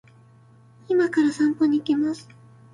今から散歩に行きます